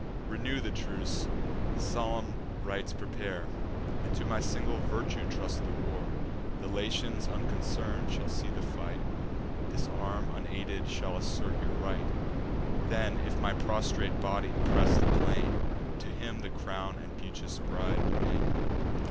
Renew the truce; the solemn rites prepare, And to my single virtue trust the war. The Latians unconcern'd shall see the fight; This arm unaided shall assert your right: Then, if my prostrate body press the plain, To him the crown and beauteous bride remain."